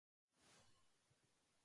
早く寝たいよーー